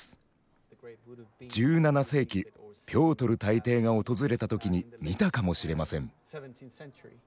１７世紀ピョートル大帝が訪れた時に見たかもしれません。